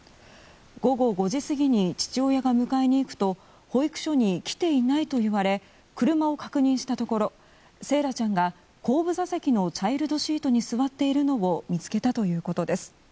午後５時過ぎに父親が迎えに行くと保育所に来ていないと言われ車を確認したところ惺愛ちゃんが後部座席のチャイルドシートに座っているのを見つけたということです。